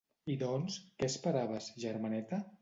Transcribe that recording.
I doncs, què esperaves, germaneta?